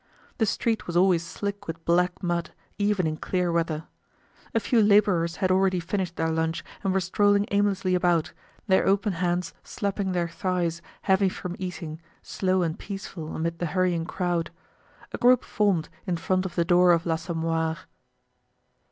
The street was always slick with black mud, even in clear weather. A few laborers had already finished their lunch and were strolling aimlessly about, their open hands slapping their thighs, heavy from eating, slow and peaceful amid the hurrying crowd. A group formed in front of the door of l'Assommoir.